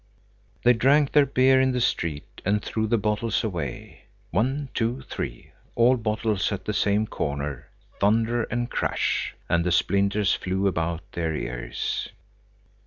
They drank their beer in the street and threw the bottles away. One, two, three, all the bottles at the same corner, thunder and crash, and the splinters flew about their ears.